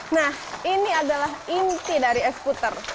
nah ini adalah inti dari es puter